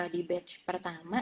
di batch pertama